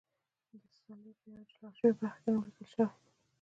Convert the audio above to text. د څلي په یوه جلا شوې برخه کې نوم لیکل شوی.